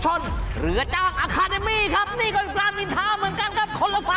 โอ้โฮทั้งสองฝ่ายต่างใครยอมใครเลยครับ